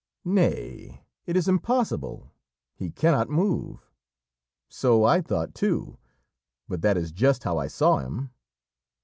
"Nay, it is impossible; he cannot move!" "So I thought too; but that is just how I saw him.